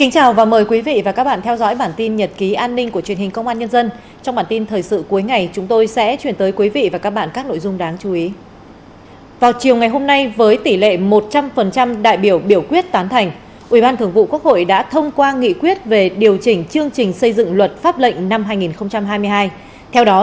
các bạn hãy đăng ký kênh để ủng hộ kênh của chúng mình nhé